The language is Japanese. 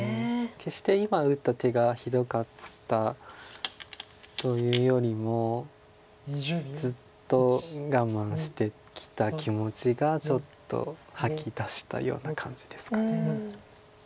決して今打った手がひどかったというよりもずっと我慢してきた気持ちがちょっと吐き出したような感じですか。